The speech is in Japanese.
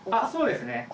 そうですね。